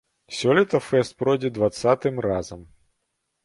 Сёлета фэст пройдзе дваццатым разам.